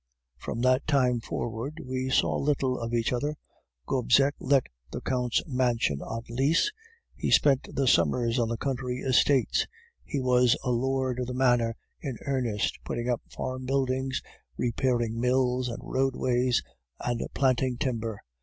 '" "From that time forward we saw little of each other. Gobseck let the Count's mansion on lease; he spent the summers on the country estates. He was a lord of the manor in earnest, putting up farm buildings, repairing mills and roadways, and planting timber.